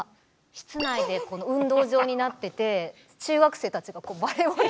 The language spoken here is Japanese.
室内でこの運動場になってて中学生たちがバレーボールを。